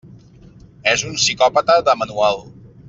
És un psicòpata de manual.